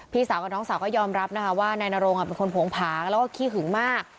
พี่สาวกับน้องสาวก็ยอมรับนะคะว่านายนโรงเป็นคนโผงผางแล้วก็ขี้หึงมาก